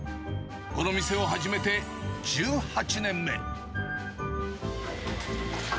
この店を始めて１８年目。